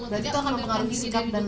berarti itu akan mempengaruhi sikap dan